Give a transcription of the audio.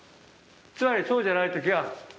つまりそうじゃない時は。